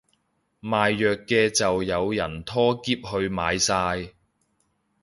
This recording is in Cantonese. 賣藥嘅就有人拖喼去買晒